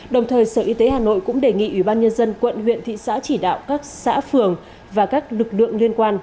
đồng thời sở y tế hà nội cũng đề nghị ủy ban nhân dân quận huyện thị xã chỉ đạo các xã phường và các lực lượng liên quan